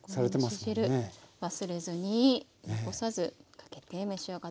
この蒸し汁忘れずに残さずかけて召し上がって下さい。